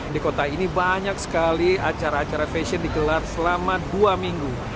di kota ini banyak sekali acara acara fashion digelar selama dua minggu